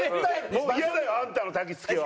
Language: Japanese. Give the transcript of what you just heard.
もうイヤだよあんたのたきつけは。